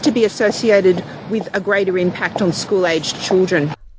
beberapa negara yang mengatakan virus virus yang mengkhawatirkan